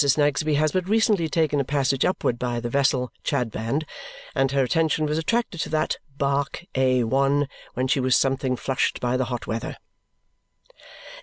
Snagsby has but recently taken a passage upward by the vessel, Chadband; and her attention was attracted to that Bark A 1, when she was something flushed by the hot weather.